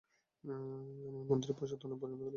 আমি মন্দিরের প্রসাদ অনেক পছন্দ করি।